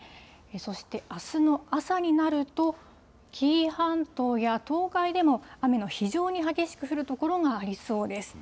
そして、あすの朝になると、紀伊半島や東海でも、雨の非常に激しく降る所がありそうです。